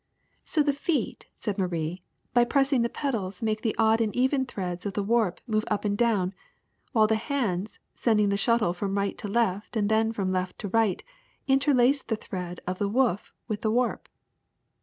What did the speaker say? '''' So the feet, '' said Marie, '' by pressing the pedals make the odd and even threads of the warp move up and dowTi, while the hands, sending the shuttle from right to left and then from left to right, inter lace the thread of the woof with the warp.''